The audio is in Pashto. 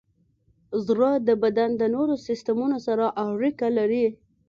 زړه د بدن د نورو سیستمونو سره اړیکه لري.